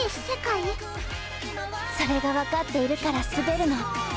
それが分かっているから滑るの。